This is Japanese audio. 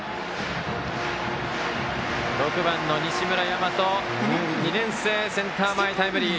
６番の西村大和２年生、センター前タイムリー。